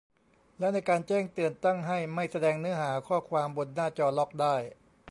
และในการแจ้งเตือน ตั้งให้ไม่แสดงเนื้อหาข้อความบนหน้าจอล็อกได้